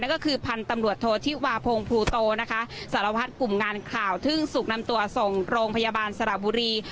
ก็คือพันธุ์ตำรวจโทษธิวาพงภูโตนะคะสารพัดกลุ่มงานข่าวทึ่งสุขนำตัวส่งโรงพยาบาลสระบุรี